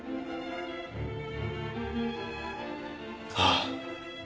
ああ。